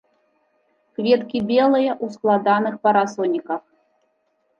Кветкі белыя, у складаных парасоніках.